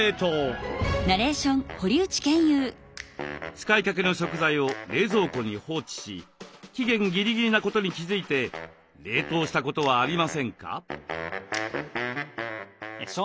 使いかけの食材を冷蔵庫に放置し期限ギリギリなことに気付いて冷凍したことはありませんか？